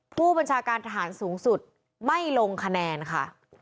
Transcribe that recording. ผู้บัญชาการทหารสูงสุดไม่ลงคะแนนค่ะ